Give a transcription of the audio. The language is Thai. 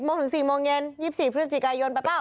โมงถึง๔โมงเย็น๒๔พฤศจิกายนไปเปล่า